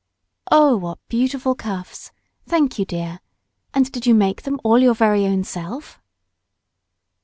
"Oh, what beautiful cuffs! Thank you, dear. And did you make them all your very own self?"